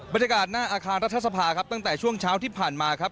บรรยากาศหน้าอาคารรัฐธรรมนูลตั้งแต่ช่วงเช้าที่ผ่านมาครับ